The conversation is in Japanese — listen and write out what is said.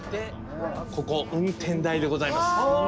ここ運転台でございます。